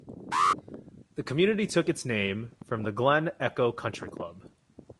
The community took its name from the Glen Echo Country Club.